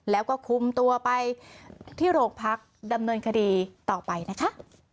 แล้วก็คุมตัวไปที่โรงพักดำเนินคดีต่อไปนะคะ